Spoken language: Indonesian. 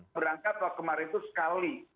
berangkat kalau kemarin itu sekali